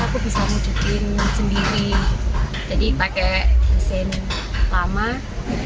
jadi pakai mesin lama jadinya aku wujud selama ini